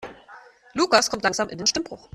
Lukas kommt langsam in den Stimmbruch.